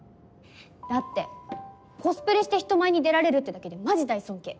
だってコスプレして人前に出られるってだけでマジ大尊敬。